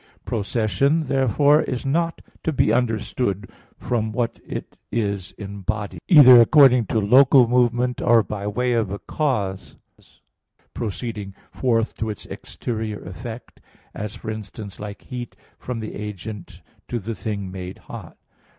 Procession, therefore, is not to be understood from what it is in bodies, either according to local movement or by way of a cause proceeding forth to its exterior effect, as, for instance, like heat from the agent to the thing made hot.